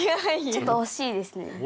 ちょっと惜しいですね。